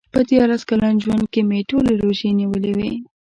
په دیارلس کلن ژوند کې مې ټولې روژې نیولې وې.